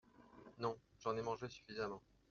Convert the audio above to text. Non, j’en ai mangé suffisamment.